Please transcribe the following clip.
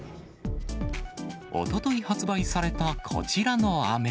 おととい発売されたこちらのあめ。